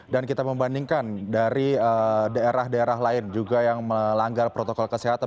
dan kita membandingkan dari daerah daerah lain juga yang melanggar protokol kesehatan